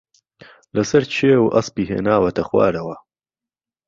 لەسەر کێو ئەسپی ھێناوەتە خوارەوە